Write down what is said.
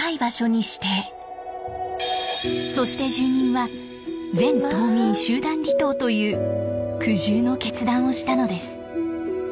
そして住民は全島民集団離島という苦渋の決断をしたのです。